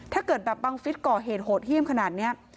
ถ้าเกิดแบบบังฟิศก่อเหตุโหดเยี่ยมขนาดนี้